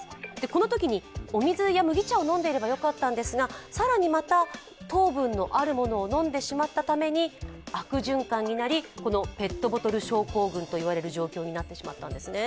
このときにお水や麦茶を飲んでいればよかったんですが更にまた糖分のあるものを飲んでしまったために悪循環になり、ペットボトル症候群といわれる状況になってしまったんですね。